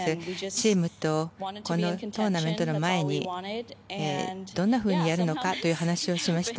チームとこのトーナメントの前にどんなふうにやるのかという話をしました。